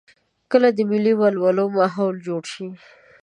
کله د ملي ولولو ماحول جوړ شي.